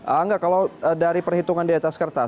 angga kalau dari perhitungan di atas kertas